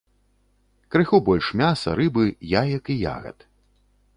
Крыху больш мяса, рыбы, яек і ягад.